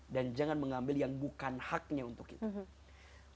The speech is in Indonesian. dan jangan mengambil yang bukan haknya untuk kita